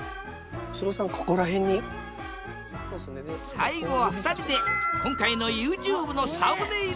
最後は２人で今回のＹｏｕＴｕｂｅのサムネイルを撮影！